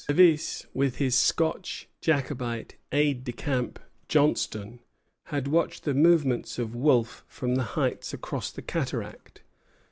Lévis, with his Scotch Jacobite aide de camp, Johnstone, had watched the movements of Wolfe from the heights across the cataract.